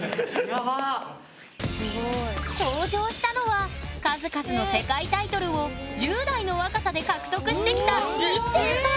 登場したのは数々の世界タイトルを１０代の若さで獲得してきたＩＳＳＥＩさん！